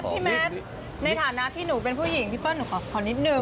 พี่แมทในฐานะที่หนูเป็นผู้หญิงพี่เป้าอย่าขอสักนิดหนึ่ง